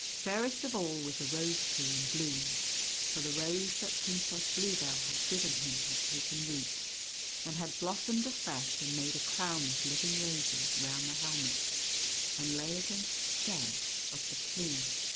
Fairest of all was a rose tree in bloom, for the rose that Princess Bluebell had given him had taken root, and had blossomed afresh and made a crown of living roses round the helmet and lay against the stem of the plume.